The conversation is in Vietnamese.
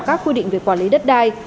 các quy định về quản lý đất đai